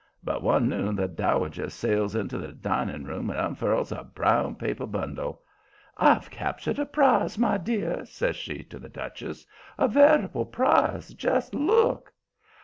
But one noon the Dowager sails into the dining room and unfurls a brown paper bundle. "I've captured a prize, my dear," says she to the Duchess. "A veritable prize. Just look!"